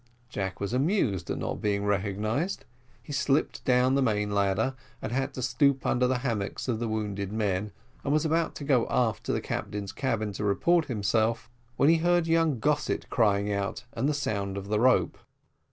Jack was amused at not being recognised: he slipped down the main ladder, and had to stoop under the hammocks of the wounded men, and was about to go aft to the captain's cabin to report himself, when he heard young Gossett crying out, and the sound of the rope.